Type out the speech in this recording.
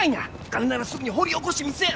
金ならすぐに掘り起こしてみせる。